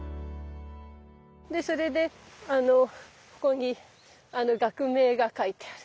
それであのここに学名が書いてある。